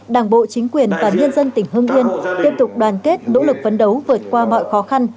đảng bộ chính quyền và nhân dân tỉnh hưng yên tiếp tục đoàn kết nỗ lực vấn đấu vượt qua mọi khó khăn